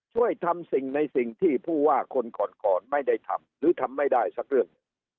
ช่วยทำสิ่งในสิ่งที่ผู้ว่าคนก่อนไม่ได้ทำหรือทำไม่ได้สักเรื่อง